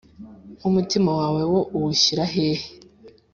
nk’umutima wawe wo uwushyira hehe’